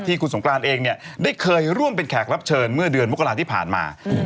คุณสงกรานเองเนี่ยได้เคยร่วมเป็นแขกรับเชิญเมื่อเดือนมกราที่ผ่านมา